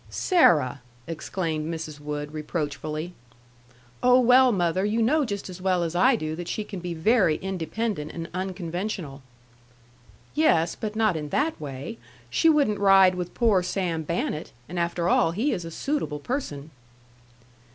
"Sarah!" exclaimed Mrs. Wood, reproachfully. "Oh, well, mother, you know just as well as I do that she can be very independent and unconventional." "Yes; but not in that way. She wouldn't ride with poor Sam Bannett, and after all he is a suitable person."